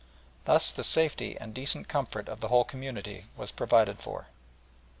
Thus the safety and decent comfort of the whole community was provided for.